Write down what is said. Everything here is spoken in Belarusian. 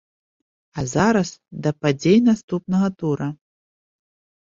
А зараз да падзей наступнага тура.